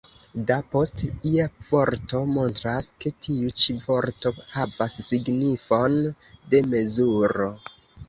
« Da » post ia vorto montras, ke tiu ĉi vorto havas signifon de mezuro.